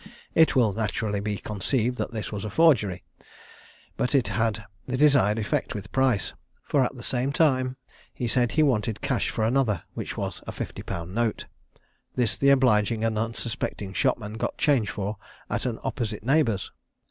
It will naturally be conceived this was a forgery, but it had the desired effect with Price; for at the same time he said he wanted cash for another, which was a fifty pound note. This the obliging and unsuspecting shopman got change for at an opposite neighbour's.